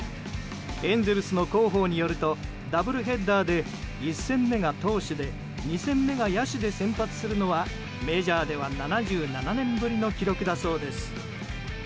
エンゼルスの広報によるとダブルヘッダーで１戦目が投手で２戦目が野手で先発するのはメジャーでは７７年ぶりの記録だそうです。